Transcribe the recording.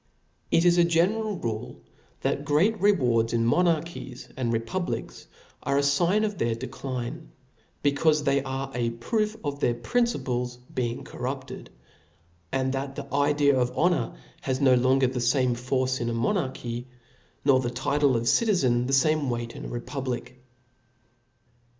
It is a general rule, that great rewards in mo^ narchies and republics, are a fign of their decline ; becaufe they are a proof of their principles being corrupted, and that the idea of honor has no lon ger the fame force in monarchy, nor the title of citizen the fame weight in a republic.